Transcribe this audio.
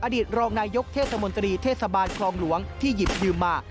อดีตรองนายกเทศมนตรีเทศบาลคลองหลวงที่หยิบยืมมา